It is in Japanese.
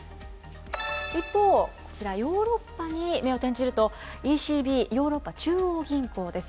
一方、こちら、ヨーロッパに目を転じるとＥＣＢ・ヨーロッパ中央銀行です。